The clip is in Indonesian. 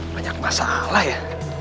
banyak masalah ya